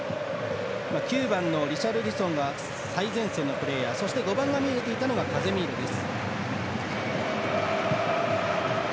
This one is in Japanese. ９番のリシャルリソンが最前線のプレーヤーそして、５番がカゼミーロです。